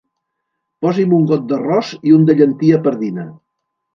Posi'm un got d'arròs i un de llentia pardina.